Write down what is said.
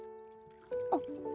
あっ。